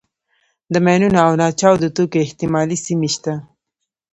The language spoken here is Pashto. د ماینونو او ناچاودو توکو احتمالي سیمې شته.